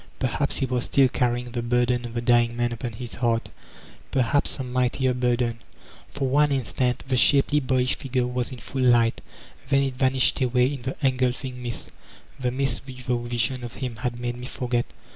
Perhaps he was still carrying the burden of the dying man upon his heart; perhaps some mightier burden. For one instant the shapely, boyish figure was in full light, then it vanished away in the engulfing mist — ^the mist which the vision of him had made me forget.